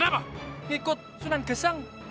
mengikut sunan gesang